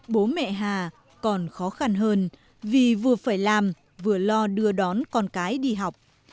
bố mẹ hà còn khó khăn hơn vì vừa phải làm vừa lo đưa đón con cái đi học